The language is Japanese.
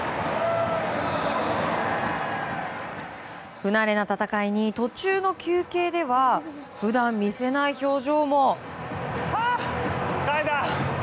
不慣れな戦いに途中の休憩では普段見せない表情も。